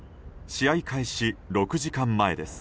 試合開始６時間前です。